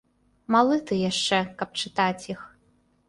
Малы ты яшчэ, каб чытаць іх.